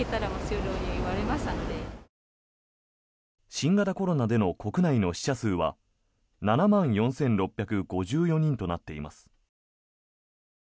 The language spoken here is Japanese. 新型コロナでの国内の死者数は７万４６５４人となっています。